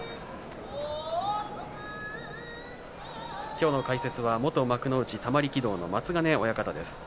きょうの解説は元幕内玉力道の松ヶ根親方です。